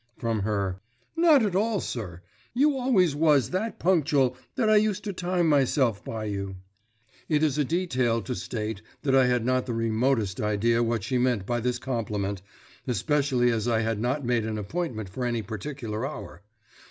From her: "Not at all, sir. You always was that punkchel that I used to time myself by you." It is a detail to state that I had not the remotest idea what she meant by this compliment, especially as I had not made an appointment for any particular hour.